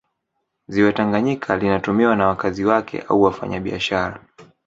Ziwa Tanganyika linatumiwa na wakazi wake au wafanya biashara